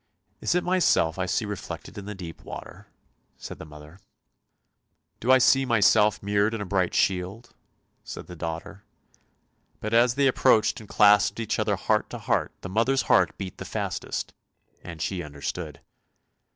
"Is it myself I see reflected in the deep water? " said the mother. 298 ANDERSEN'S FAIRY TALES " Do I see myself mirrored in a bright shield? " said the daughter. But as they approached and clasped each other heart to heart, the mother's heart beat the fastest, and she understood.